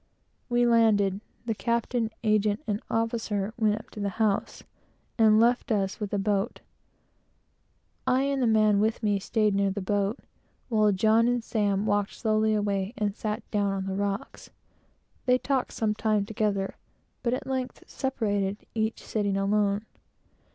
We landed; the captain, agent, and officer went up to the house, and left us with the boat. I, and the man with me, staid near the boat, while John and Sam walked slowly away, and sat down on the rocks. They talked some time together, but at length separated, each sitting alone.